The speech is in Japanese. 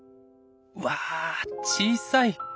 わ小さい！